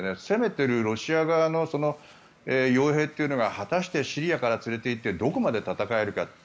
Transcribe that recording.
攻めているロシア側の傭兵というのが果たしてシリアから連れていってどこまで戦えるか。